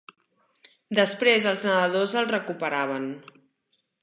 Després els nedadors el recuperaven.